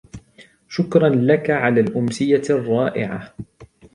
شكراً لكَ على الأمسية الرائعة.